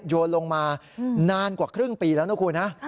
โยนลงมานานกว่าครึ่งปีแล้วนะคุณนะ